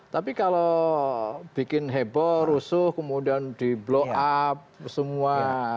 tapi kalau bikin heboh rusuh kemudian di blow up semua